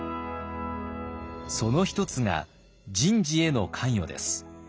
その一つが人事への関与です。